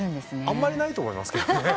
あんまりないと思いますけどね。